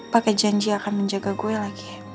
pakai janji akan menjaga gue lagi